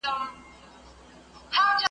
چي آواز به یې خپل قام لره ناورین وو `